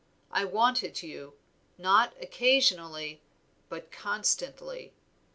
I wanted you, not occasionally, but constantly.